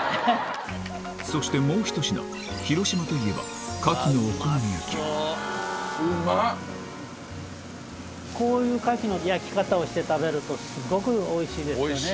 そしてもうひと品は広島といえばこういうカキの焼き方をして食べるとすごくおいしいですよね。